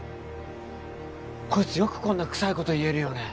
こいつよくこんなクサいこと言えるよね